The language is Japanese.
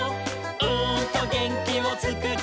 「うーんとげんきをつくっちゃう」